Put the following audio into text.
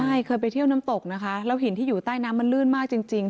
ใช่เคยไปเที่ยวน้ำตกนะคะแล้วหินที่อยู่ใต้น้ำมันลื่นมากจริง